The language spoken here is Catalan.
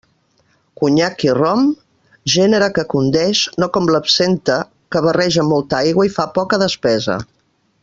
Conyac i rom, gènere que condeix, no com l'absenta, que barreja molta aigua i fa poca despesa.